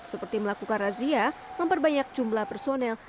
seperti melakukan razia memperbanyak jumlah personel